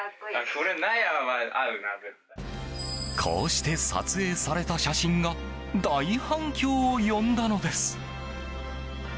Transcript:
こうして撮影された写真が大反響を呼んだのです。